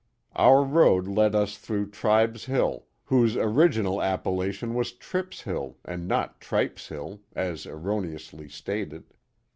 Our road led us through Tribes Hill, whose original appellation was Trips Hill and not Tnpes Hill, as erroneously stated.